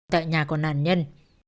tại nhà của nạn nhân